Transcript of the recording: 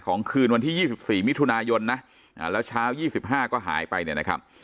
ของคืนวันที่ยี่สิบสี่มิถุนายนนะอ่าแล้วเช้ายี่สิบห้าก็หายไปเนี่ยนะครับ